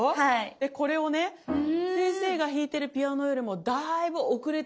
でこれをね先生が弾いてるピアノよりもだいぶ遅れてちょっと歌えるかな。